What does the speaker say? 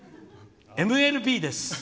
ＭＬＢです。